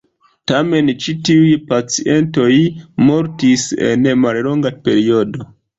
Tamen ĉi tiuj pacientoj mortis en mallonga periodo.